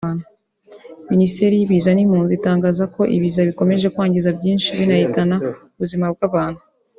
Minisiteri y’Ibiza n’Impunzi itangaza ko ibiza bikomeje kwangiza byinshi binahitana ubuzima bw’abantu